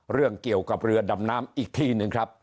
เรื่องเกี่ยวกับเรือดำน้ำอีกทีหนึ่งครับ